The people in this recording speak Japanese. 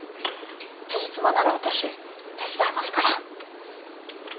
つじつまなら私手伝いますから。